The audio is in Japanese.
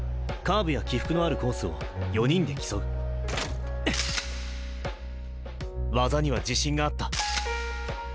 カーブや起伏のあるコースを４人で競う技には自信があった。